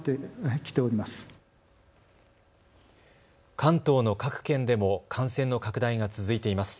関東の各県でも感染の拡大が続いています。